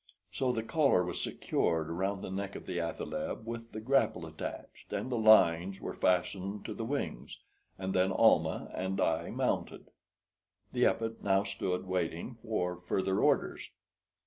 So the collar was secured around the neck of the athaleb, with the grapple attached, and the lines were fastened to the wings, and then Almah and I mounted. The Epet now stood waiting for further orders.